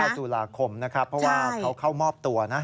ตุลาคมนะครับเพราะว่าเขาเข้ามอบตัวนะ